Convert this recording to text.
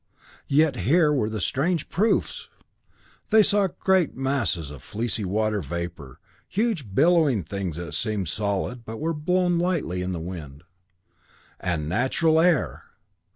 Yet here were the strange proofs! They saw great masses of fleecy water vapor, huge billowy things that seemed solid, but were blown lightly in the wind. And natural air!